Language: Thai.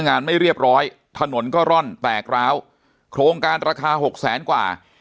งานไม่เรียบร้อยถนนก็ร่อนแตกร้าวโครงการราคาหกแสนกว่า